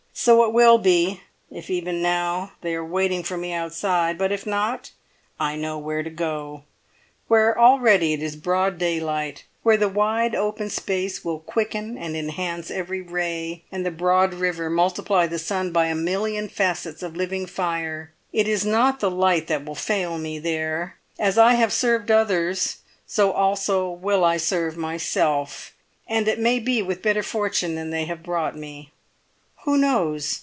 So it will be if even now they are waiting for me outside; but, if not, I know where to go, where already it is broad daylight, where the wide open space will quicken and enhance every ray, and the broad river multiply the sun by a million facets of living fire. It is not the light that will fail me, there; and as I have served others, so also will I serve myself, and it may be with better fortune than they have brought me. Who knows?